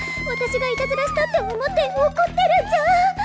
私がいたずらしたって思って怒ってるんじゃ。